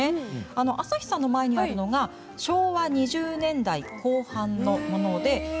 朝日さんの前にあるのは昭和２０年代後半のものです。